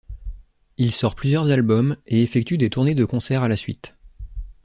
Il sort plusieurs albums et effectue des tournées de concerts à la suite.